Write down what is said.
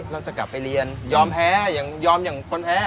เราจะกลับไปเรียนยอมแพ้อย่างยอมอย่างคนแพ้